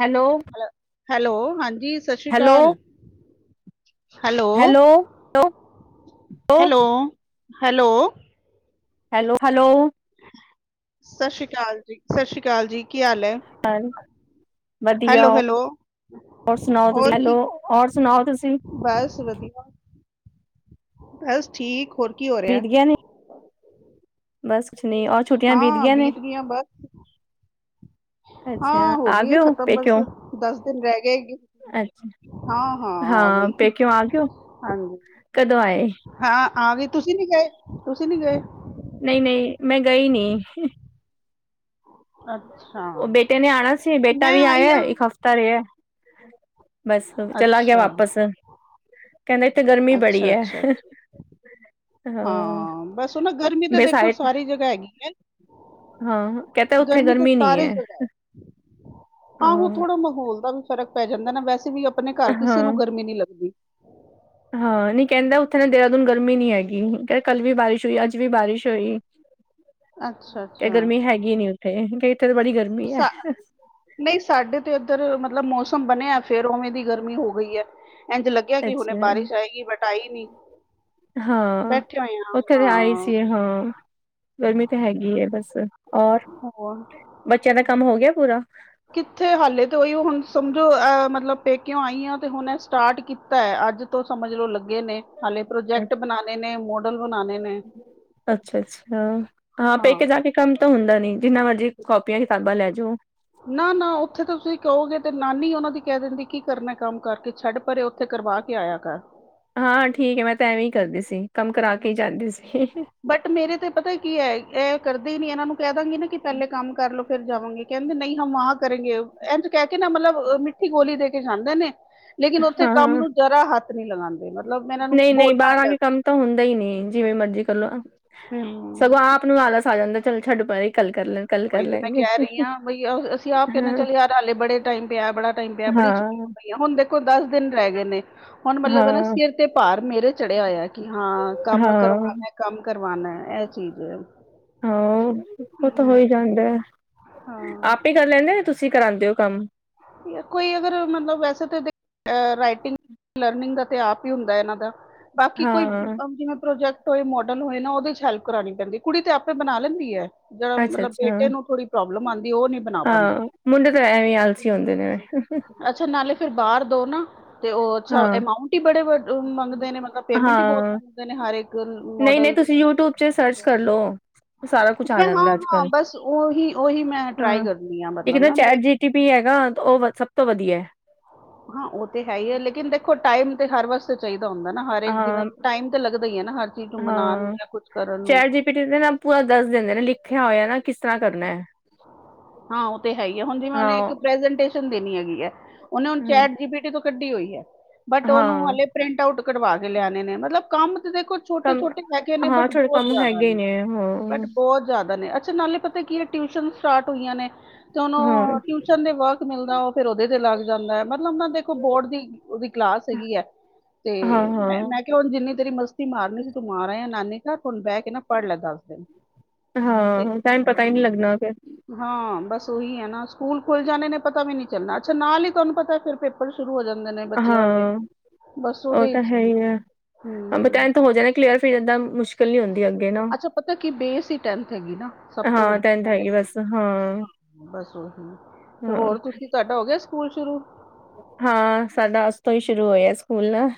Hello. Hello, hello ਹਾਂਜੀ ਸਤਿ ਸ਼੍ਰੀ ਹੈਲੋ ਅਕਾਲ। Hello hello. Hello, hello hello hello. ਸਤਿ ਸ੍ਰੀ ਅਕਾਲ ਜੀ। ਸਤਿ ਸ਼੍ਰੀ ਅਕਾਲ ਜੀ, ਕੀ ਹਾਲ ਹੈ? ਹਾਂ। ਵਧੀਆ, ਹੈਲੋ ਹੈਲੋ ਔਰ ਸੁਣਾਓ ਤੁਸੀ, ਹੋਰ ਹੈਲੋ ਕੀ ਹੋਰ ਸੁਣਾਓ ਤੁਸੀਂ? ਬਸ ਵਧੀਆ, ਬਸ ਠੀਕ ਹੋਰ ਕੀ ਹੋ ਰਿਹਾ? ਬੀਤ ਗਿਆ ਨੀ ਬਸ ਕੁਛ ਨੀ, ਔਰ ਛੁੱਟੀਆਂ ਬੀਤ ਗਈਆਂ ਨੇ? ਹਾਂ ਅੱਛਾ ਆ ਗਈਆਂ ਗਏ ਹੋ ਖਤਮ ਬਸ ਪੇਕਿਉਂ ਦਸ ਦਿਨ ਰਹਿ ਗਏ ਅੱਛਾ। ਹਾਂ ਆ ਹਾਂ ਗਈ ਪੇਕਉਂ ਆਗਓ ਹਾਂਜੀ ਕਦੋਂ ਆਏ। ਹਾਂ ਆ ਗਏ ਤੁਸੀਂ ਨੀ ਗਏ, ਤੁਸੀਂ ਨੀ ਗਏ। ਨਹੀਂ-ਨਹੀਂ ਮੈਂ ਗਈ ਨੀ। ਅੱਛਾ ਉਹ ਬੇਟੇ ਨੇ ਆਉਣਾ ਸੀ ਬੇਟਾ ਮੈਂ ਵੀ ਆਈ ਆਇਆ ਹਾਂ ਇੱਕ ਹਫ਼ਤਾ ਤਾ ਰਹੀਆ ਬਸ ਚਲਾ ਗਿਆ ਅੱਛਾ ਵਾਪਿਸ। ਕਹਿੰਦੇ ਇੱਥੇ ਗਰਮੀ ਬੜੀ ਅੱਛਾ ਹੈ। ਅੱਛਾ ਅੱਛਾ। ਹਾਂ ਬਸ ਉਹ ਨਾ ਗਰਮੀ ਤਾਂ ਮੈਂ ਦੇਖੋ ਸਾਈਡ ਸਾਰੀ ਜਗ੍ਹਾ ਹੈਗੀ ਹੈ। ਹਾਂ ਕਹਤੇ ਉੱਥੇ ਗਰਮੀ ਨੀ ਸਾਰੀ ਹੈ। ਜਗ੍ਹਾ ਆਹੋ ਹਾਂ ਥੋੜਾ ਮਾਹੌਲ ਦਾ ਵੀ ਫ਼ਰਕ ਪੈ ਜਾਂਦਾ ਨਾ ਵੈਸੇ ਵੀ ਆਪਣੇ ਘਰ ਕਿਸੇ ਹਾਂ ਨੂੰ ਗਰਮੀ ਨੀ ਲੱਗਦੀ। ਹਾਂ ਨਹੀਂ ਕਹਿੰਦਾ ਉੱਥੇ ਨਾ ਦੇਹਰਾਦੂਨ ਗਰਮੀ ਨ ਨਹੀਂ ਹੈਗੀ ਕਹ ਕੱਲ ਵੀ ਬਾਰਿਸ਼ ਹੋਈ ਅੱਜ ਵੀ ਬਾਰਿਸ਼ ਹੋਈ। ਅੱਛਾ ਤੇ ਗਰਮੀ ਅੱਛਾ ਹੈਗੀ ਨੀ ਉੱਥੇ ਕੇ ਇੱਥੇ ਤਾਂ ਬੜੀ ਗਰਮੀ ਹੈ। ਸਾ ਨਹੀਂ ਸਾਡੇ ਤੇ ਇੱਧਰ ਮਤਲਬ ਮੌਸਮ ਬਣਿਆ ਫੇਰ ਉਵੇਂ ਦੀ ਗਰਮੀ ਹੋ ਗਈ ਹੈ ਇੰਝ ਲੱਗਦਾ ਲੱਗਿਆ ਕਿ ਹੁਣੇ ਅੱਛਾ ਬਾਰਿਸ਼ ਆਏਗੀ ਬਟ ਆਈ ਨੀ। ਹਾਂ ਉੱਥੇ ਤਾਂ ਆਈ ਸੀ ਹਾਂ। ਗਰਮੀ ਤਾਂ ਹੈਗੀ ਹੈ ਬਸ ਔਰ ਹੋਰ ਬੱਚਿਆਂ ਦਾ ਕੰਮ ਹੋ ਗਿਆ ਪੂਰਾ। ਕਿੱਥੇ ਹਾਲੇ ਤੋਂਹੀ ਹੁਣ ਸਮਝੋ ਅ ਮਤਲਬ ਪੇਕਿਉਂ ਆਈ ਆ ਤੇ ਹੁਣ ਇਹ ਸਟਾਰਟ ਕੀਤਾ ਹੈ ਅੱਜ ਤੋਂ ਸਮਝ ਲੋਓ ਲੱਗੇ ਨੇ ਹਾਲੇ ਪ੍ਰੋਜੈਕਟ ਬਣਾਉਣੇ ਨੇ, ਮੋਡਲ ਬਣਾਉਣੇ ਨੇ। ਅੱਛਾ-ਅੱਛਾ ਹਾਂ ਪੇਕੇ ਜਾ ਕੇ ਕੰਮ ਤਾਂ ਹੁੰਦਾ ਨੀ ਜਿੰਨਾ ਮਰਜ਼ੀ ਕਾਪੀਆਂ ਕਿਤਾਬਾਂ ਲੈ ਜੋ। ਨਾ-ਨਾ ਉੱਥੇ ਤਾਂ ਤੁਸੀਂ ਕਹੋਗੇ ਤੇ ਨਾਨੀ ਉਹਨਾਂ ਦੀ ਕਹਿ ਦਿੰਦੀ ਕੀ ਕਰਨਾ ਕੰਮ ਕਰਕੇ। ਛੱਡ ਪਰੇ ਉੱਥੇ ਕਰਵਾ ਕੇ ਆਇਆ ਕਰ। ਹਾਂ ਠੀਕ ਹੈ ਮੈਂ ਤਾਂ ਐਵੇਂ ਹੀ ਕਰਦੀ ਸੀ ਕੰਮ ਕਰਾ ਕੇ ਹੀ ਜਾਂਦੀ ਸੀ। ਬਟ ਮੇਰੇ ਤੇ ਪਤਾ ਕੀ ਹੈ ਇਹ ਕਰਦੇ ਹੀ ਨੀ ਇਹਨਾਂ ਨੂੰ ਕਹਿ ਦਾਂਗੀ ਨਾ ਕਿ ਪਹਿਲੇ ਕੰਮ ਕਰਲੋ ਫਿਰ ਜਾਵਾਂਗੇ। ਕਹਿੰਦੇ ਨਹੀਂ ਹਮ ਵਹਾ ਕਰੇਗੇ ਇੰਝ ਕਹਿ ਕੇ ਨਾ ਮਤਲਬ ਮਿੱਠੀ ਗੋਲੀ ਦੇ ਕੇ ਜਾਂਦੇ ਨੇ। ਲੇਕਿਨ ਉੱਥੇ ਕੰਮ ਹਾਂ ਨੂੰ ਜ਼ਰਾ ਹੱਥ ਨੀ ਲਗਾਉਂਦੇ ਮਤਲਬ ਇਹਨਾਂ ਨੂੰ ਨਹੀਂ ਨਹੀਂ ਬੋਲਣਾ ਬਾਹਰ ਆ ਪੈਂਦਾ। ਕੇ ਕੰਮ ਤਾਂ ਹੁੰਦਾ ਹੀ ਨਹੀਂ ਜਿਵੇਂ ਮਰਜੀ ਕਰਲੋ। ਹਮ। ਸਗੋਂ ਆਪ ਨੂੰ ਆਲਸ ਆ ਜਾਂਦਾ ਚਲ ਛੱਡ ਪਰੇ ਕੱਲ ਕਰਲਾ ਬਾਈ ਤੇ ਮੈਂ ਕਹਿ ਰਹੀ ਹਾਂ ਬ ਅਸੀਂ ਆਪ ਕਹਿੰਦੇ ਹਾਂ ਚੱਲ ਯਾਰ ਹਾਲੇ ਬੜੇ ਟਾਈਮ ਪਿਆ, ਬੜਾ ਟਾਈਮ ਪਿਆ, ਬੜੀ ਛੁੱਟੀ ਹਾਂ ਪਈਆਂ ਹੁਣ ਦੇਖੋ ਦਸ ਦਿਨ ਰਹਿ ਗਏ ਨੇ। ਹੁਣ ਮਤਲਬ ਨਾ ਹਾਂ ਸਿਰ ਤੇ ਭਾਰ ਮੇਰੇ ਚੜਿਆ ਹੋਇਆ ਕਿ ਹਾਂ ਕੰਮ ਹਾਂ ਕਰਵਾਨੇ। ਕੰਮ ਕਰਵਾਉਣਾ ਇਹ ਚੀਜ਼ ਹੈ। ਹਾਂ ਉਹ ਤਾਂ ਹਮ, ਹੋ ਹੀ ਜਾਂਦਾ ਆਪ ਹਾਂ ਹੀ ਕਰ ਲੈਂਦੇਂ ਜਾ ਤੁਸੀਂ ਕਰਾਉਂਦੇ ਹੋ ਕੰਮ। ਕੋਈ ਅਗਰ ਮਤਲਬ ਵੈਸੇ ਤਾਂ ਦੇ ਰਾਈਟਿੰਗ ਲਰਨਿੰਗ ਦਾ ਤੇ ਆਪ ਹੀ ਹੁੰਦਾ ਇਹਨਾਂ ਦਾ ਬਾਕੀ ਕੋਈ ਹਾਂ ਜਿਵੇਂ ਪ੍ਰੋਜੈਕਟ ਕੋਈ ਮੋਡਲ ਹੋਏ ਨਾ ਉਹਦੇ ਚ ਹੈਲਪ ਕਰਵਾਣੀ ਪੈਂਦੀ ਹੈ ਕੁੜੀ ਤੇ ਆਪੇ ਬਣਾ ਲੈਂਦੀ ਹੈ। ਜਿਹੜਾ ਅੱਛਾ ਮਤਲਬ ਅੱਛਾ ਬੇਟੇ ਨੂੰ ਥੋੜੀ ਪ੍ਰੋਬਲਮ ਆਉਂਦੀ ਉਹ ਨੀ ਬਣਾ ਪਾਉਂਦਾ। ਹਾਂ ਮੁੰਡੇ ਤਾਂ ਐਵੇਂ ਆਲਸੀ ਹੁੰਦੇ ਨੇ। ਅੱਛਾ ਨਾਲੇ ਫਿਰ ਬਾਹਰ ਦੋ ਨਾ ਤੇ ਉਹ ਅੱਛਾ ਹਾਂ ਅਮਾਊਂਟ ਹੀ ਬੜੇ ਮੰਗਦੇ ਨੇ ਮਤਲਬ ਪੇਮੈਂਟ ਵੀ ਬਹੁਤ ਮੰਗਦੇ ਨੇ ਹਰ ਇੱਕ ਨਹੀਂ-ਨਹੀਂ ਮਾਡਲ ਦੀ ਤੁਸੀਂ ਯੂਟਿਊਬ ਚ ਸਰਚ ਕਰਲੋ। ਸਾਰਾ ਕੁਛ ਆ ਮੈਂ ਹਾਂ ਜਾਂਦਾ ਅੱਜ ਹਾਂ ਕੱਲ ਬਸ ਉਹੀ ਉਹੀ ਮੈਂ ਟਰਾਈ ਹਾਂ ਕਰਨੀ ਆ ਇੱਕ ਮਤਲਬ ਨਾ ਮੇ ਚੈਟ ਜੀ ਟੀ ਵੀ ਹੈਗਾ ਉਹ ਸਭ ਤੋਂ ਵਧੀਆ ਹੈ। ਹਾਂ ਉਹ ਤੇ ਹੈ ਹੀ ਹੈ ਲੇਕਿਨ ਦੇਖੋ ਟਾਈਮ ਤੇ ਹਰ ਵਸ ਚਾਹੀਦਾ ਹੁੰਦਾ ਨਾ ਹਰ ਜਿਵੇਂ ਹਾਂ ਟਾਈਮ ਤੇ ਲੱਗਦਾ ਹੀ ਹੈ ਨਾ ਹਰ ਚੀਜ਼ ਨੂੰ ਬਣਾਉਣ ਨੂੰ ਜਾਂ ਕੁੱਛ ਕਰਨ ਨੂੰ। ਫੇਰ ਜਿਸ ਦੇ ਨਾ ਪੂਰਾ ਦੱਸ ਦਿੰਦੇ ਨੇ ਲਿਖਿਆ ਹੋਇਆ ਨਾ ਕਿਸ ਤਰ੍ਹਾਂ ਕਰਨਾ ਹੈ। ਹਾਂ ਉਹ ਤੇ ਹੈਗੀ ਹੈ ਹੁਣ ਜਿਵੇਂ ਉਹਨੇ ਹਾਂ ਇੱਕ ਪ੍ਰਜਟੇਸ਼ਨ ਦੇਣੀ ਹੈਗੀ ਹੈ ਉਹਨੇ ਹੁਣ ਚੈਟ ਹਾਂਜੀ ਜੀ ਬੀ ਟੀ ਤੋਂ ਕੱਢੀ ਹੋਈ ਹੈ ਬਟ ਉਹਨੂੰ ਹਾਂ ਹਲੇ ਪ੍ਰਿੰਟ ਆਊਟ ਕਰਵਾ ਕੇ ਲਿਆਣੇ ਨੇ ਮਤਲਬ ਕੰਮ ਤੇ ਦੇਖੋ ਕੰਮ ਛੋਟੇ-ਛੋਟੇ ਹੈਗੇ ਨੇ ਹਾਂ ਬਟ ਥੋੜੇ ਬਹੁਤ ਕੰਮ ਜਾਦਾ ਹੈਗੇ ਹੀ ਨੇ ਬਟ ਹਾਂ ਬਹੁਤ ਜਾਦਾ ਨੇ ਅੱਛਾ ਨਾਲੇ ਪਤਾ ਕੀ ਹੈ। ਟਿਊਸ਼ਨ ਸਟਾਰਟ ਹੋਈਆਂ ਨੇ ਤੇ ਉਹਨੂੰ ਹਾਂ ਟਿਊਸ਼ਨ ਦੇ ਵਰਕ ਮਿਲਦਾ ਉਹ ਫਿਰ ਉਹਦੇ ਤੇ ਲੱਗ ਜਾਂਦਾ ਹੈ ਮਤਲਬ ਉਹ ਨਾ ਦੇਖੋ ਬੋਰਡ ਦੀ ਉਹਦੀ ਕਲਾਸ ਹੈਗੀ ਐ। ਤੇ ਹਾਂ ਮੈਂ ਮੈ। ਹਾਂ ਕਿ ਹੁਣ ਜਿੰਨੀ ਤੇਰੀ ਮਸਤੀ ਮਾਰਨੀ ਸੀ ਤੂੰ ਮਾਰ ਆਇਆ ਨਾਨੀ ਘਰ ਹੁਣ ਬਹਿ ਕੇ ਨਾ ਪੜ੍ਹ ਲੈ ਦੱਸ ਦਿਨ। ਤੇ ਹਾਂ ਟਾਈਮ ਪਤਾ ਹੀ ਨਹੀਂ ਲੱਗਣਾ ਫਿਰ। ਹਾਂ ਬਸ ਉਹੀ ਐ ਨਾ, ਸਕੂਲ ਖੁੱਲ ਜਾਣੇ ਨੇ ਪਤਾ ਵੀ ਨੀ ਚੱਲਣਾ। ਅੱਛਾ ਨਾਲ ਹੀ ਤੁਹਾਨੂੰ ਪਤਾ ਫਿਰ ਪੇਪ ਪੇਪਰ ਸ਼ੁਰੂ ਹੋ ਜਾਂਦੇ ਨੇ ਹਾਂ ਬੱਚਿਆਂ ਦੇ। ਬਸ ਉਹ ਉਹਦੇ ਤਾਂ ਵਿੱਚ ਹੈ ਇ ਹੀ ਐਬ‌ ਹੂੰ ਟੈਨਥ ਹੋ ਜਾਣੇ ਨਾ ਕਲੀਅਰ। ਫੇਰ ਏਦਾਂ ਮੁਸ਼ਕਿਲ ਨੀ ਹੁੰਦੀ ਅੱਗੇ ਨਾ। ਅੱਛਾ ਪਤਾ ਕੀ ਬੇਸ ਟੈਂਨਥ ਹੈਗੀ ਨਾ। ਸਭ ਤੋਂ ਹਾਂ ਵੱਡੀ ਟੈਨਥ ਗੱਲ ਐ ਹੈਗੀ ਬਸ ਹਾਂ ਬਸ ਉਹੀ ਤੇ ਹਾਂ ਹੋਰ ਤੁਸੀਂ ਤੁਡੇ ਹੋ ਗਏ ਸਕੂਲ ਸ਼ੁਰੂ। ਹਾਂ ਸਾਡਾ ਅੱਜ ਤੋਂ ਹੀ ਸ਼ੁਰੂ ਹੋਇਆ ਸਕੂਲ ਨਾ।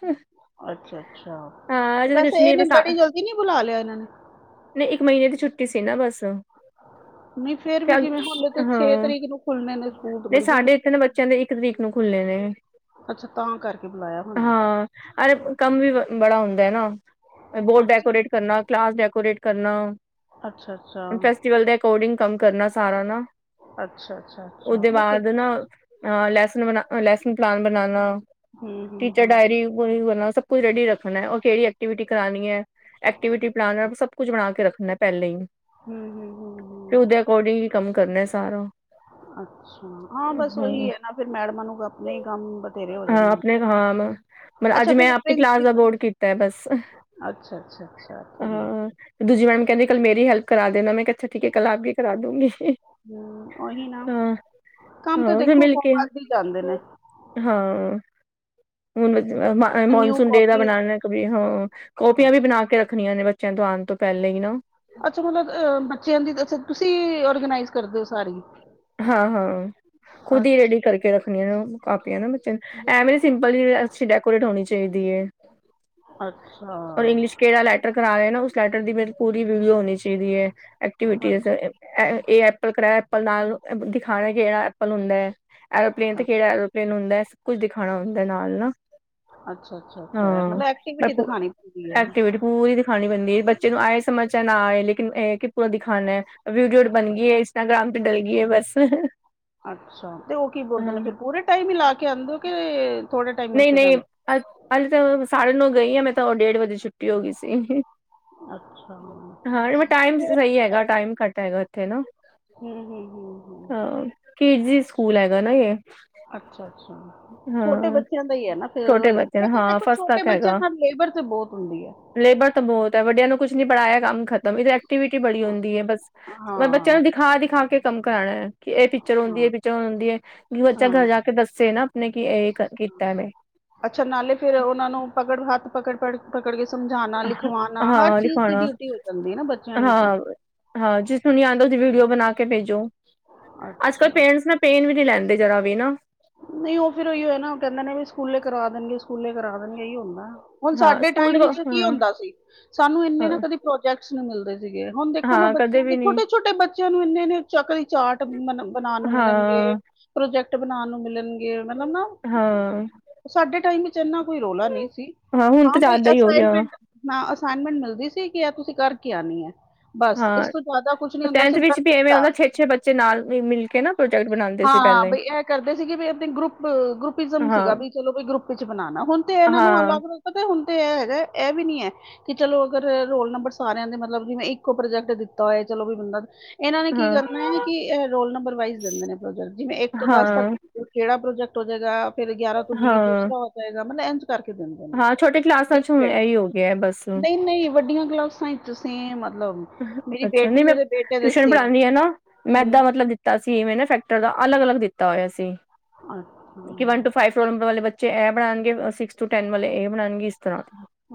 ਅੱਛਾ-ਅੱਛਾ, ਹਾਂ ਅਜੇ ਤਾਂ ਕੁਛ ਵੈਸੇ ਨੀ ਇਹਨੇ ਬੜੀ ਜਲਦੀ ਨੀ ਬੁਲਾ ਲਿਆ ਇਹਨਾਂ ਨੇ। ਨੀ ਇੱਕ ਮਹੀਨੇ ਦੀ ਛੁੱਟੀ ਸੀ ਨਾ ਬਸ। ਨਹੀਂ ਫੇਰ ਵੀ ਹਾਂ ਜਿਵੇਂ ਹੁਣ ਤੇ ਤਰੀਕ ਨੂੰ ਖੁੱਲਨੇ ਨੇ ਸਕੂਲ ਤੇ ਨੀ ਬੜੀ ਜਲਦੀ ਸਾਡੇ ਬੁਲਾ ਇਥੇ ਬੱਚਿਆਂ ਦੇ ਇੱਕ ਤਰੀਕ ਨੂੰ ਖੁੱਲ੍ਹੇ ਨੇ। ਅੱਛਾ ਤਾਂ ਕਰਕੇ ਬੁਲਾਇਆ ਹੋਣਾ। ਹਾਂ ਅਰੇ ਕੰਮ ਵੀ ਬੜਾ ਹੁੰਦਾ ਏ ਨਾ। ਬੋਰਡ ਅੱਛਾ ਡੈਕੋਰੇਟ ਕਰਨਾ, ਕਲਾਸ ਡੈਕੋਰੇਟ ਕਰਨਾ, ਅੱਛਾ ਅੱਛਾ ਹੁਣ ਫੈਸਟੀਵਲ ਤੇ। ਕੋਡਿੰਗ ਕੰਮ ਕਰਨਾ ਸਾਰਾ ਨਾ। ਅੱਛਾ-ਅੱਛਾ-ਅੱਛਾ ਉਹਦੇ ਉਥੇ ਬਾਅਦ ਹੈ ਹੀ ਐ। ਨਾ ਅ ਲੈਸਨ ਬ ਲੈਸਨ ਪਲਾਨ ਬਨਾਨਾ ਹੂੰ ਹੂੰ ਟੀਚਰ ਹੂੰ ਡਾਇਰੀ ਉਹੀ ਨਾ, ਸਭ ਕੁਛ ਰੈਡੀ ਰੱਖਣਾ ਔਰ ਕਿਹੜੀ ਐਕਟੀਵਿਟੀ ਕਰਾਣੀ ਏ, ਐਕਟੀਵਿਟੀ ਪਲਾਨ ਸਭ। ਕੁੱਝ ਬਣਾ ਕੇ ਰੱਖਣਾ ਪਹਿਲੇ ਹੀ। ਹੂੰ ਹੂੰ। ਹੂੰ ਫਿਰ ਹੂੰ। ਉਹਦੇ ਅਕੋਰਡਿੰਗ ਹੀ ਕੰਮ ਕਰਨਾ ਸਾਰਾ। ਅੱਛਾ, ਹਾਂ ਬਸ ਉਹੀ ਹਾਂ ਹੈ ਨਾ ਫਿਰ ਮੈਡਮਾਂ ਨੂੰ ਆਪਣੇ ਹੀ ਕੰਮ ਬਥੇਰੇ ਹੋ ਜਾ। ਹਾਂ ਆਪਣੇ ਕਾਮ ਮੈਂ ਅੱਜ ਮੈਂ ਆਪਣੀ ਕਲਾਸ ਦਾ ਪ੍ਰਿੰਸੀਪਲ ਬੋਰਡ ਕੀਤਾ ਬਸ ਅੱਛਾ ਅੱਛਾ ਅੱਛਾ ਠੀਕ ਹਾਂ। ਹੈ ਦੂਜੀ ਮੈਮ ਕਹਿੰਦੀ ਕੱਲ੍ਹ ਮੇਰੀ ਹੈਲਪ ਕਰਾ ਦੇਣਾ, ਮੈਂ ਕਿਹਾ ਅੱਛਾ ਠੀਕ ਐ, ਕੱਲ੍ਹ ਆਪ ਕੀ ਕਰਾ ਦੂੰਗੀ। ਹਮ ਉਹੀ ਨਾ ਹਾਂ ਕੰਮ ਤਾਂ ਹਾਂ ਫਿਰ ਦੇਖੋ ਮਿਲ ਹੋਮ ਕੇ ਵਧ ਹੀ ਜਾਂਦੇ ਨੇ। ਹਾਂ ਹੁਣ ਨਿਊ ਮੌਨਸੂਨ ਡੇ ਦਾ ਕਾਪੀ ਬਣਾਉਣਾ ਕੀ ਵੀ ਹਾਂ। ਕੌਪੀਆਂ ਵੀ ਬਣਾ ਕੇ ਰੱਖਣੀਆਂ ਨੇ ਬੱਚਿਆਂ ਤੋਂ ਆਣ ਤੋਂ ਪਹਿਲੇ ਹੀ ਨਾ। ਅੱਛਾ, ਮਤਲਬ ਅ ਬੱਚਿਆਂ ਦੀ ਤੁਸੀਂ ਔਰਗਨਾਈਜ਼ ਕਰਦੇ ਹੋ ਸਾਰੀ। ਹਾਂ-ਹਾਂ ਖੁਦ ਹੀ ਅੱਛਾ ਰੇਡੀ ਕਰਕੇ ਰੱਖ ਨਿਊ ਕਾਪੀਆਂ ਨਾ ਬੱਚਿਆਂ ਨੂੰ, ਐਵੇਂ ਦੀ ਸਿੰਪਲ ਜੀ ਅੱਛੀ ਡੈਕੋਰੇਟ ਹੋਣੀ ਚਾਹੀਦੀ ਐ। ਅੱਛਾ ਔਰ ਇੰਗਲਿਸ਼ ਕਿਹੜਾ ਲੈਟਰ ਕਰਾ ਰਹੇ ਨਾ ਉਸ ਲੈਟਰ ਦੀ ਮੇਰੀ ਪੂਰੀ ਵੀਡੀਓ ਹੋਣੀ ਚਾਹੀਦੀ ਐ। ਐਕਟੀਵਿਟੀ ਅੱਛਾ ਅਸਤੇ, ਐਪਲ ਕਰਲ ਨਾਲ ਦਿਖਾਣਾ ਕਿੜਾ ਐਪਲ ਹੁੰਦਾ ਐ। ਐਰੋਪਲੇਨ ਤੇ ਕਿਹੜਾ ਐਰੋਪਲੇਨ ਹੁੰਦਾ ਏ, ਸਭ ਕੁਛ ਦਿਖਾਣਾ ਹੁੰਦਾ ਨਾਲ ਨਾ। ਅੱਛਾ-ਅੱਛਾ-ਅੱਛਾ ਮਤਲਬ ਐਕਟੀਵਿਟੀ ਦਿਖਾਣੀ ਪੈਂਦੀ ਐ। ਐਕਟੀਵਿਟੀ ਪੂਰੀ ਦਿਖਾਣੀ ਪੈਂਦੀ ਐ ਬੱਚੇ ਨੂੰ ਆਏ ਸਮਝ ਚ ਨਾ ਆਏ ਲੇਕਿਨ ਇਹ ਪੂਰਾ ਦਿਖਾਨਾ ਵੀਡੀਓ ਬਣ ਗਈ ਐ। ਇੰਸਟਾਗ੍ਰਾਮ ਤੇ ਡਲ ਗਈ ਐ ਬਸ। ਅੱਛਾ ਤੇ ਉਹ ਕੀ ਬੋਲਦੇ ਨੇ ਫਿਰ ਪੂਰੇ ਟਾਈਮ ਹੀ ਲਾ ਕੇ ਆਦੇ ਓ ਕੇ। ਨਈ-ਨਈ ਅ ਅੱਜ ਤਾਂ ਮੈਂ ਸਾਢੇ ਨੌ ਗਈ ਹਾਂ ਮੈਂ ਤਾਂ ਉਹ ਡੇਢ ਵਜੇ ਛੁੱਟੀ ਹੋ ਗਈ ਸੀ। ਅੱਛਾ। ਹਾਂ ਟਾਈਮ ਫਿਰ ਸਹੀ ਹੈ ਹੈਗਾ, ਹੀ। ਟਾਈਮ ਘੱਟ ਹੈਗਾ ਉੱਥੇ ਨਾ। ਹੂੰ - ਹੂੰ- ਹੂੰ - ਹੂੰ। ਹਾਂ, ਕਿਡਸ ਜੀ ਸਕੂਲ ਹੈਗਾ ਨਾ ਇਹ। ਅੱਛਾ-ਅੱਛਾ, ਛੋਟੇ ਹਾਂ ਬੱਚਿਆਂ ਹੁੰਦਾ ਹੀ ਐ ਨਾ ਫੇਰ ਛੋਟੇ ਬੱਚੇ ਨੇ ਲੇਕਿਨ ਹਾਂ ਦੇਖੋ ਫਸਟ ਛੋਟੇ ਤੱਕ ਬੱਚਿਆਂ ਹੈਗਾ ਨਾਲ ਲੇਬਰ ਤੇ ਬਹੁਤ ਹੁੰਦੀ ਐ। ਲੇਬਰ ਤਾਂ ਬੌਤ ਐ ਵੱਡਿਆਂ ਨੂੰ ਕੁੱਛ ਨੀ ਪੜਾਇਆ ਕੰਮ ਖਤ ਮ ਐਕਟੀਵਿਟੀ ਬੜੀ ਹਾਂ ਹੁੰਦੀ ਐ ਬਸ, ਪਰ ਬੱਚਿਆਂ ਹਾਂ ਨੂੰ ਦਿਖਾ- ਦਿਖਾ ਕੇ ਕੰਮ ਕਰਾਣਾ ਕਿ ਇਹ ਪਿ ਚਰ ਹੂੰਦੀ ਹਾਂ ਐ-ਪਿਚਰ ਹੂੰਦੀ ਐ ਵੀ ਬੱਚਾ ਘਰ ਹਾਂ। ਜਾ ਕੇ ਦੱਸੇ ਨਾ ਆਪਣੇ ਕਿ ਐ ਕੀਤਾ ਮੈਂ। ਅੱਛਾ, ਨਾਲੇ ਫੇਰ ਉਨਾ ਨੂੰ ਪਕੜ ਹੱਥ ਪਕੜ ਪੜ ਪਕੜ ਕੇ ਸਮਝਾਣਾ, ਲਿਖਵਾਣਾ ਹਰ ਹਾਂ ਚੀਜ਼ ਦੀ ਲਿਖਾਉਣਾ ਡਿਊਟੀ ਹੋ ਜਾਂਦੀ ਐ ਨਾ ਬੱਚਿਆਂ ਦੀ ਤਾਂ ਹਾਂ ਹਾਂ ਜਿਸਨੂੰ ਨੀ ਆਂਦਾ ਉਸਦੀ ਵੀਡੀਓ ਬਣਾ ਕੇ ਪੇਜੋ। ਅੱਜ ਕੱਲ ਅੱਛਾ ਪੇਰੈਂਟਸ ਨਾ ਪੇਨ ਵੀ ਨੀ ਲੈਂਦੇ ਜਰਾ ਵੀ ਨਾ। ਨਈ ਓ ਫਿਰ ਓਈਓ ਐਨਾ ਓ ਕੈਂਦੇ ਨੇ ਵੀ ਸਕੂਲੇ ਕਰਾ ਦੇਣਗੇ ਸਕੁਲੇ ਕਰਾ ਦੇਣਗੇ ਏਈ ਹੁੰਦਾ, ਹੁਣ ਹਾਂ ਸਾਡੇ ਸਕੂਲ ਦੇ ਟਾਈਮ ਚ ਕੀ ਹਾਂ ਹੁੰਦਾ ਸੀ ਸਾਨੂੰ ਇੰਨੇ ਨਾ ਹਾਂ ਕਦੇ ਪ੍ਰੋਜੈਕਟਸ ਨੂੰ ਮਿਲਦੇ। ਸੀਗੇ ਹੁਣ ਦੇਖੋ ਨਾ ਹਾਂ ਕਦੇ ਬੱਚਿਆਂ ਵੀ ਦੇ ਨੀ ਛੋਟੇ-ਛੋਟੇ ਬੱਚਿਆਂ ਨੂੰ ਇੰਨੇ ਚੱਕਰੀ ਚਾਟ ਬਣਾਣ ਨੂੰ ਮਿਲਣਗੇ। ਹਾਂ ਪ੍ਰੋਜੈਕਟ ਬਣਾਣ ਨੂੰ ਮਿਲਣਗੇ ਮਤਲਬ ਨਾ ਹਾਂ ਸਾਡੇ ਟਾਈਮ ਚ ਇਨਾ ਕੋਈ ਰੌਲਾ ਨਈ ਸੀ ਹੁਣ ਹਾਂ, ਤਾਂ ਬਈ ਜ਼ਿਆਦਾ ਹੀ ਹੋ ਗਿਆ ਅਸਾਈਨਮੈਂਟ ਨਾ ਅਸਾਈਨਮੈਂਟ ਮਿਲਦੀ ਸੀ ਕਿ ਐ ਤੁਸੀਂ ਕਰਕੇ ਆਣੀ ਐ। ਬਸ ਹਾਂ ਇਸ ਤੋਂ ਜ਼ਐਦਾ ਕੁਛ ਨੀ ਹੁੰਦਾ ਸੀ ਟੈਨਥ ਵਿੱਚ ਵੀ ਲਰਨਿੰਗ ਐਵੇਂ ਦਾ। ਹੁੰਦਾ ਛੇ-ਛੇ ਬੱਚੇ ਨਾਲ ਮਿਲ ਕੇ ਨਾ ਪ੍ਰੋਜੈਕਟ ਬਣਾਉਂਦੇ ਸੀ ਹਾਂ, ਪਹਿਲੇ ਬਈ ਐ ਕਰਦੇ ਸੀਗੇ ਵੀ ਓ ਦਿਨ ਗਰੁੱਪ ਗਰੁਪਿਜ਼ਮ ਸੀਗਾ ਹਾਂ, ਵੀ ਚਲੋ ਬਈ ਗਰੁੱਪ ਚ ਬਣਾਣਾ ਹੁਣ ਤੇ ਇਹਨਾਂ ਨੂੰ ਹਾਂ, ਅਲੱਗ-ਅਲਗ ਪਤਾ ਹੁਣ ਤੇ ਐ ਹੈਗਾ ਐ ਵੀ ਨੀ ਐ ਕਿ ਚਲੋ ਅਗਰ ਰੋਲ ਨੰਬਰ ਸਾਰਿਆਂ ਦੇ ਮਤਲਬ ਜਿਵੇਂ ਇੱਕੋ ਪ੍ਰੋਜੈਕਟ ਦਿੱਤਾ ਹੋਇਆ ਚਲੋ ਵੀ ਬੰਦਾ ਇਹਨਾਂ ਨੇ ਕੀ ਹਾਂ, ਕਰਨਾ ਐ ਕਿ ਐ ਰੋਲ ਨੰਬਰ ਵਾਈਜ਼ ਦਿੰਦੇ ਨੇ ਪ੍ਰੋਜੈਕਟ ਜਿਵੇਂ ਇੱਕ ਤੋਂ ਦਸ ਤੱਕ ਹਾਂ, ਕੇੜਾ ਪ੍ਰੋਜੈਕਟ ਹੋ ਜੇਗਾ ਫਿਰ ਗਿਆਰਾਂ ਤੋਂ ਵੀਹ ਹਾਂ। ਦੂਸਰਾ ਹੋ ਜਾਏਗਾ ਮਤਲਬ ਇਂਜ ਕਰਕੇ ਦਿੰਦੇ ਨੇ ਹਾਂ ਛੋਟੇ ਕਲਾਸਾਂ ਚ ਹੁਣ ਡਿਫਰੈਂਟ ਇਹੀ ਹੋ ਗਿਆ ਬਸ ਨਈ-ਨਈ ਵੱਡੀਆਂ ਕਲਾਸਾਂ ਤੁ ਸੇਮ ਮਤਲਬ ਮੇਰੀ ਅੱਛਾ ਨਈ ਬੇਟੀ ਮੈਂ, ਦੇ ਤੇ ਬੇਟੇ ਦੇ ਟਿਊਸ਼ਨ ਸੇਮ ਪੜ੍ਹਾਣੀ ਆ ਨਾ ਮੈਥ ਹੂੰ ਦਾ ਮਤਲਬ ਤਾਂ ਅਸੀਂ ਇਵੇਂ ਨਾ ਸੈਕਟਰ ਦਾ ਅਲਗ-ਅਲਗ ਦਿੱਤਾ ਹੋਏਆ ਸੀ, ਕਿ ਅੱਛਾ one two five. Roll number ਵਾਲੇ ਬੱਚੇ ਐ ਬਣਾਣਗੇ, ਸਿਕਸ ਟੂ‌ਟੈਨ ਵਾਲੇ ਏ ਬਣਾਣਗੇ ਇਸ ਤਰ੍ਹਾਂ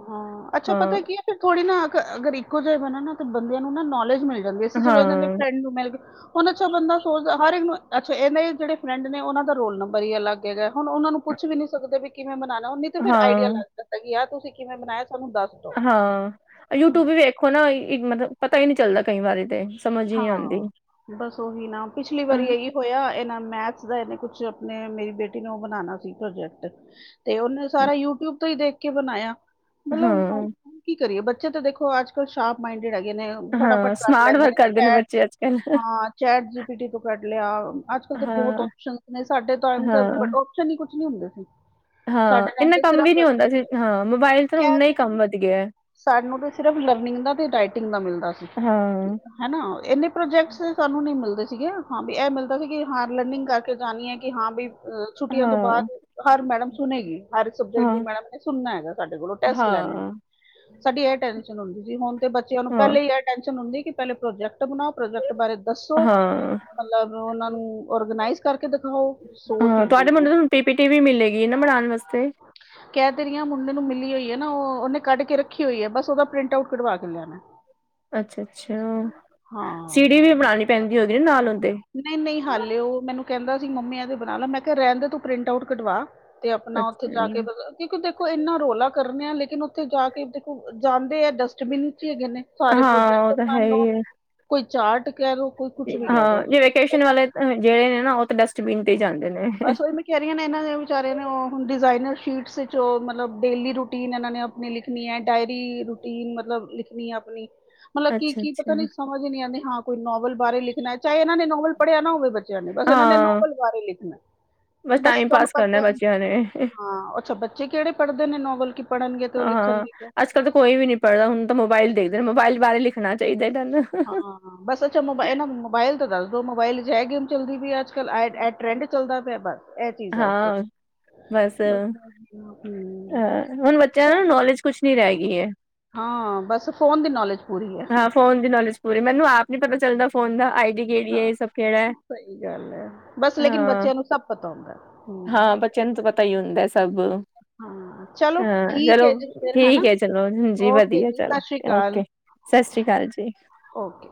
ਹਾਂ ਅੱਛਾ ਹਾਂ, ਪਤਾ ਕੀ ਐ ਵੀ ਥੋੜ੍ਹੀ ਨਾ ਅਗਰ ਇੱਕੋ ਜੀ ਬਣੇ ਨਾ ਤੇ ਬੰਦਿਆਂ ਨੂੰ ਨਾ ਨੌਲੇਜ ਮਿਲ ਜਾਂਦੀ ਸੀਂ ਚਲੋ ਇਦਾਂ ਦੇ ਹਾਂ, ਫਰੈਂਡ ਨੂੰ ਮਿਲ ਕੇ ਹੁਣ ਅੱਛਾ ਬੰਦਾ ਸੋਚਦਾ ਹਰ ਇੱਕ ਨੂੰ ਅੱਛਾ ਇਨੇ ਦੇ ਜੇੜੇ ਫਰੈਂਡ ਨੇ ਉਨਾਂ ਦਾ ਰੋਲ ਨੰਬਰ ਈ ਅੱਲਗ ਹੈਗਾ ਹੁਣ ਉਨਾਂ ਨੂੰ ਪੁੱਛ ਵੀ ਨਈ ਸਕਦੇ ਵੀ ਕਿਵੇਂ ਬਣਾਣਾ ਓ ਨਈ ਤੇ ਫੇਰ ਆਈਡੀਆ ਹਾਂ, ਲੱਗਦਾ ਕਿ ਤੁਸੀਂ ਕਿਵੇਂ ਬਣਾਇਆ ਸਾਨੂੰ ਦੱਸ ਦਿਓ ਹਾਂ, ਯੂਟਿਊਬ ਵੀ ਵੇਖੋ ਨਾ ਮਤਲਬ ਪਤਾ ਈ ਨਈ ਚੱਲਦਾ ਕਈ ਵਾਰੀ ਤੇ। ਸਮਝ ਹੀ ਨਹੀਂ ਆਉਂਦੀ ਹਾਂ, ਬਸ ਓਹੀ ਨਾ ਪਿਛਲੀ ਵਾਰੀ ਏਈਓ ਹੋਇਆ ਇਨਾਂ ਮੈਥਸ ਦਾ ਇਨੇ ਕੁਛ ਆਪਣੇ ਮੇਰੀ ਬੇਟੀ ਨੂੰ ਓ ਬਣਾਣਾ ਸੀ ਪ੍ਰੋਜੈਕਟ। ਤੇ ਉਨੇ ਸਾਰਾ ਯੂਟਿਊਬ ਤੋਂ ਈ ਦੇਖ ਕੇ ਬਣਾਇਆ। ਮਤਲਬ ਹਾਂ, ਕੀ ਕਰੀਏ ਬੱਚੇ ਤਾਂ ਦੇਖੋ ਅੱਜ-ਕੱਲ ਸ਼ਾਰਪ ਮਾਈਂਡਡ ਹੈਗੇ ਨੇ, ਫਟਾਫਟ ਕਟ ਲੈਂਦੇ ਨੇ। [unintelligible] ਬੱਚੇ ਚੈਟ ਨੇ ਅੱਜ-ਕੱਲ। ਹਾਂ ਚੈਟ ਜੀਪੀਟੀ ਤੋਂ ਕੱਢ ਲਿਆ। ਅੱਜ-ਕੱਲ ਤੇ ਬੌਤ ਹਾਂ, ਉਪਸ਼ਨਸ ਨੇ ਸਾਡੇ ਟਾਈਮ ਤੇ ਹਾਂ। ਓ ਸ਼ਨੀ ਕੁਛ ਨੀ ਹੁੰਦੇ ਸੀ। ਹਾਂ, ਸਾਡੇ ਟਾਈਮ ਇੰਨਾ ਤੇ ਕੰਮ ਵੀ ਸਿਰਫ ਨਈ ਹੁੰਦਾ ਸੀ, ਹਾਂ ਮੋਬਾਇਲ ਤਾਂ ਕਹਿ ਉੱਨਾ ਈ ਤੇ ਕੰਮ ਵੱਧ ਗਿਆ। ਸਾਨੂੰ ਤੇ ਸਿਰਫ ਲਰਨਿੰਗ ਦਾ ਤੇ ਰਾਈਟਿੰਗ ਦਾ ਮਿਲਦਾ ਸੀ। ਹਾਂ, ਹੈਨਾ ਇੰਨੇ ਪ੍ਰੋਜੈਕਟਸ ਸਾਨੂੰ ਨਈਂ ਮਿਲਦੇ ਸੀਗੇ ਹਾਂ ਵੀ ਏ ਮਿਲਦਾ ਸੀ ਕਿ ਹਾਂ, ਲਰਨਿੰਗ ਕਰਕੇ ਜਾਣੀ ਐ ਕਿ ਹਾਂ ਬਈ ਛੁੱਟੀਆਂ ਤੋਂ ਬਾਦ ਹਾਂ, ਹਰ ਮੈਡਮ ਸੁਣੇਗੀ। ਹਰ ਸਬਜੈਕਟ ਹਾਂ, ਦੀ ਮੈਡਮ ਨੇ ਸੁਣਨਾ ਹੈਗਾ ਸਾਡੇ ਕੋਲੋਂ ਟੈਸਟ ਲੈਣੇ ਨੇ। ਹਾਂ, ਸਾਡੀ ਐ ਟੈਨਸ਼ਨ ਹੁੰਦੀ ਸੀ ਹੁਣ ਤੇ ਬੱਚਿਆਂ ਨੂੰ ਹਾਂ। ਪੈਲੇ ਈ ਐ ਟੈਸ਼ਨ ਹੁੰਦੀ ਕਿ ਪੈਲੇ ਪ੍ਰੋਜੈਕਟ ਬਣਾਓ, ਪ੍ਰੋਜੈਕਟ ਬਾਰੇ ਦੱਸੋ ਹਾਂ, ਮਤਲਬ ਉਨਾ ਨੂੰ ਓਰਗਨਾਈਜ਼ ਕਰਕੇ ਦਿਖਾਓ ਸੋ ਹਾਂ ਚੀਜ਼ਾਂ ਤੁਹਾਡੇ ਨੂੰ ਤੇ ਕੈ ਤੇ ਰੀ ਆ, ਮੁੰਡੇ ਨੂੰ ਮਿਲੀ ਹੋਈ ਐ ਨਾ ਓ ਉਨੇ ਕੱਢ ਕੇ ਰੱਖੀ ਹੋਈ ਐ ਬਸ ਉਦਾ ਪ੍ਰਿੰਟ ਆਊਟ ਕੱਢਵਾ ਕੇ ਲਿਆਣਾਂ ਮੈਂ। ਅੱਛਾ, ਅੱਛਾ, ਸੀੜੀ ਵੀ ਬਣਾਣੀ ਪੈਂਦੀ ਹੋਗੀ ਨਾ ਨਾਲ ਓੱਦੇ। ਨਈ-ਨਈ ਹਾਲੇ ਓ ਮੈਨੂੰ ਕੈਂਦਾ ਸੀ ਮੰਮੀ ਐਦੇ ਬਣਾ ਲਾ ਮੈਂ ਕਿਆ ਰੈਂਦੇ ਤੂੰ ਪ੍ਰਿੰਟ ਆਊਟ ਕਢਵਾ ਤੇ ਆਪਣਾ ਉੱਥੇ ਜਾ ਕੇ ਅੱਛਾ। ਮਤਬਲ ਕਿਉਂਕਿ ਦੇਖੋ ਇੰਨਾ ਰੌਲਾ ਕਰਨੇ ਆ ਲੇਕਿਨ ਓਂਥੇ ਜਾ ਕੇ ਦੇਖੋ ਜਾਂਦੇ ਐ ਡਸਟਬਿਨ ਚ ਈ ਹੈਗੇ ਨੇ ਸਾਰੇ ਪ੍ਰੋਜੈਕਟ। ਹਾਂ ਓ ਤਾਂ ਹੈ ਮੰਨ ਲਵੋ ਈ ਐ ਕੋਈ ਚਾਟ ਕੈ ਲੋ। ਹਾਂ, ਜੇ ਵੈਕੇਸ਼ਨ ਵਾਲੇ ਜੇੜੇ ਨੇ‌ ਨਾ ਓ ਤਾਂ ਡਸਟਬਿਨ ਤੇ ਈ ਜਾਂਦੇ ਨੇ। ਬਸ ਓ ਐਮੇ ਕੈ ਰਈਆਂ ਨੇ ਇਨਾਂ ਦੇ ਵਿਚਾਰਿਆਂ ਨੇ ਓ ਹੁਣ ਡਿਜ਼ਾਇਨਰ ਸ਼ੀਟਸ ਚ ਓ ਮਤਲਬ ਡੇਲੀ ਰੂਟੀਨ ਇਨਾਂ ਨੇ ਅਪ ਮੈਂਲਿਖਣੀ ਆ ਡਾਇਰੀ ਰੂਟੀਨ ਮਤਲਬ ਲਿਖਣੀ ਹੈ ਆਪਣੀ। ਮਤਲਬ ਕੀ-ਕੀ ਪਤਾ ਅੱਛਾ-ਅੱਛਾ ਨੀ ਸਮਝ ਈ ਨੀ ਆਂਦੀ ਹਾਂ ਕੋਈ ਨੋਵਲ ਬਾਰੇ ਲਿਖਣਾ ਹੈ ਚਾਹੇ ਏਨਾਂ ਨੇ ਨੋਵਲ ਪੜਿਆ ਨਾ ਹੋਵੇ ਬੱ ਬਸ ਉਹਨਾਂ ਨੇ ਹਾਂ। ਨੋਵਲ ਬਾਰੇ ਲਿਖ ਬਸ ਟਾਈਮ ਪਾਸ ਕਰਨਾ ਬੱਚਿਆਂ ਨੇ। ਹਾਂ ਅੱਛਾ ਬੱਚੇ ਕਿਹੜੇ ਪੜ੍ਹਦੇ ਨੇ ਨੋਵਲ ਪੜ੍ਹਨਗੇ ਤੇ ਉਹ ਹਾਂ ਲਿਖਣਗੇ ਅੱਜ ਕੱਲ੍ਹ ਤੇ ਕੋਈ ਵੀ ਨੀ ਪੜ੍ਹਦਾ ਹੁਣ ਤਾਂ ਮੋਬਾਇਲ ਦੇਖਦੇ ਮੋਬਾਇਲ ਬਾਰੇ ਲਿਖਣਾ ਚਾਹੀਦਾ ਤੁਹਾਨੂੰ। ਹਾਂ ਬਸ ਅੱਛਾ ਮੋਬਾਇਲ ਇਹ ਨਾ ਮੋਬਾਇਲ ਤਾਂ ਦੱਸ ਦੋ ਮੋਬਾਇਲ ਚ ਹੈ ਗੇਮ ਚੱਲਦੀ ਪਈ ਅੱਜ ਕੱਲ ਟਰੈਂਡ ਚੱਲਦਾ ਪਿਆ ਬਸ ਇਹ ਚੀਜ਼ਾਂ ਤੋਂ। ਹਾਂ ਬਸ, ਅਹ ਹੁਣ ਬੱਚਿਆਂ ਨੂੰ ਚਲੋ ਨੌਲੇਜ ਕੁਛ ਨੀ ਰਹਿ ਗਈ ਹੈ। ਹਾਂ ਬਸ ਫੋਨ ਦੀ ਨੌਲੇਜ ਪੂਰੀ ਹੈ। ਹਾਂ ਫੋਨ ਦੀ ਨੌਲੇਜ ਪਰ ਮੈਨੂੰ ਆਪ ਨੀ ਪਤਾ ਚੱਲਦਾ ਫੋਨ ਦਾ ਆਈ ਡੀ ਕਿਹੜੀ ਹੈ ਹਾਂ ਇਹ ਸਭ ਕਿਹੜਾ ਹੈ ਸਹੀ ਗੱਲ ਹੈ ਬਸ ਲੇਕਿਨ ਹਾਂ ਬੱਚਿਆਂ ਨੂੰ ਸਭ ਪਤਾ ਹੁੰਦਾ। ਹਾਂ ਹਮ, ਬੱਚਿਆਂ ਨੂੰ ਤਾਂ ਪਤਾ ਹੀ ਹੁੰਦਾ ਸਭ। ਹਾਂ ਚਲੋ ਹਾਂ ਠੀਕ ਚਲੋ ਹੈ ਜੀ ਫਿਰ ਹਨਾ ਠੀਕ ਹੈ ਚਲੋ ਹਾਜੀ ਓਕੇ ਵਧੀਆ ਜੀ ਚੱਲ ਸਤਿ ਸ਼੍ਰੀ ਅਕਾਲ ਓਕੇ। ਸਸਰੀ ਅਕਾਲ ਜੀ। ਓਕੇ।